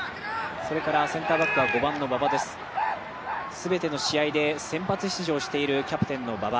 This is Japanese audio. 全ての試合で先発出場しているキャプテンの馬場。